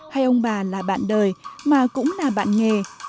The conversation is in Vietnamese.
hay ông bà là bạn đời mà cũng là bạn nghề